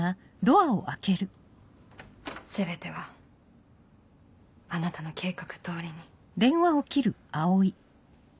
・全てはあなたの計画通りに。